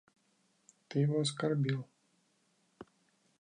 Ты его оскорбил.